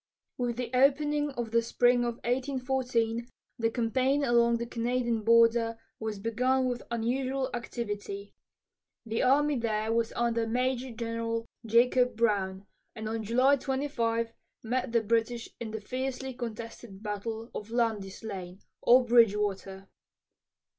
With the opening of the spring of 1814, the campaign along the Canadian border was begun with unusual activity. The army there was under Major General Jacob Brown, and on July 25 met the British in the fiercely contested battle of Lundy's Lane, or Bridgewater.